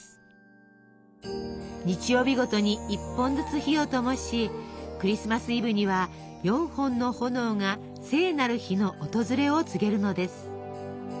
日曜日ごとに１本ずつ火をともしクリスマスイブには４本の炎が聖なる日の訪れを告げるのです。